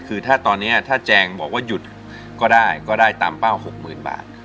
คือถ้าตอนนี้ถ้าแจงบอกว่าหยุดก็ได้ก็ได้ตามเป้า๖๐๐๐บาท